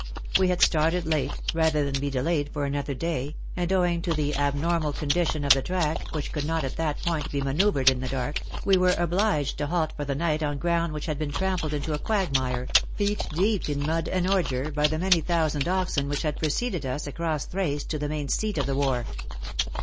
We had started late, rather than be delayed for another day, and owing to the abnormal condition of the track, which could not at that point be manoeuvred in the dark, we were obliged to halt for the night on ground which had been trampled into a quagmire, feet deep in mud and ordure, by the many thousand oxen which had preceded us across Thrace to the 78 WAR AND WOMEN main seat of the war.